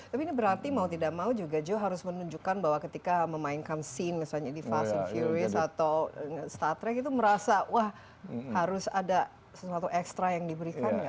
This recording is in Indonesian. tapi ini berarti mau tidak mau juga joe harus menunjukkan bahwa ketika memainkan scene misalnya di fashion furious atau star trek itu merasa wah harus ada sesuatu ekstra yang diberikan gak